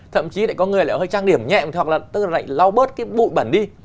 thậm chí lại có người lại hơi trang điểm nhẹm hoặc là tức là lại lau bớt cái bụi bẩn đi